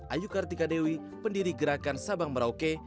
ayu kartika dewi pendiri gerakan sabang merauke